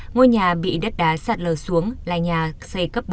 ngôi nhà bị đất đá sạt lở xuống là nhà xây cấp bốn